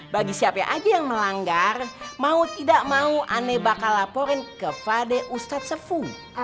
bagi siapa aja yang melanggar mau tidak mau aneh bakal laporin kepada ustadz sefung